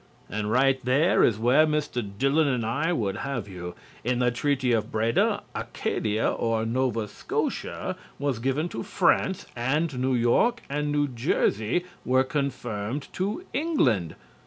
And right there is where Mr. Dillon and I would have you. In the Treaty of Breda, Acadia (or Nova Scotia) was given to France and New York and New Jersey were confirmed to England.